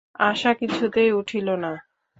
আশা কিছুতেই উঠিল না।